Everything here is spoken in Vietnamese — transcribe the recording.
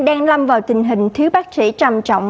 đang lâm vào tình hình thiếu bác sĩ trầm trọng